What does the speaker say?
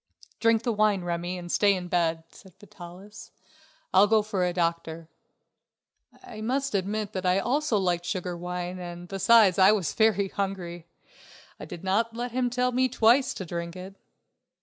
"Drink the wine, Remi, and stay in bed," said Vitalis. "I'll go for a doctor." I must admit that I also liked sugared wine and besides I was very hungry. I did not let him tell me twice to drink it.